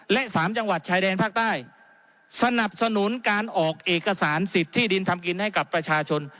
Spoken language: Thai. และสามจังหวัดชายแดนภาคใต้สนับสนุนการออกเอกสารสิทธิ์ที่ดินทำกินให้กับประชาชน